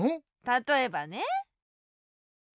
たとえばね。